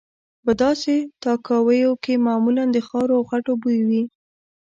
په داسې تاکاویو کې معمولا د خاورو او خټو بوی وي.